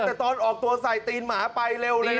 แต่ตอนออกตัวใส่ตีนหมาไปเร็วเลยนะ